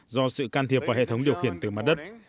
do sự can thiệp vào hệ thống điều khiển từ mặt đất